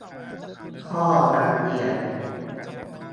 ท่อน้ำเลี้ยง !